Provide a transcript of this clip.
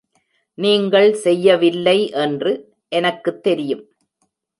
நீங்கள் செய்யவில்லை என்று எனக்குத் தெரியும்.